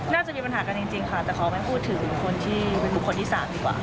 น่าจะมีปัญหากันจริงค่ะแต่ขอไม่พูดถึงบุคคลที่สามดีกว่า